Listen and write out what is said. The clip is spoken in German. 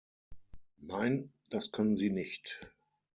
Nein, das können Sie nicht.